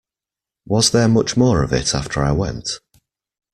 Was there much more of it after I went?